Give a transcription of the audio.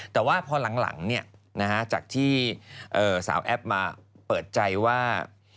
แต่ว่าพอหลังจากที่สาวแอปมาเปิดใจว่า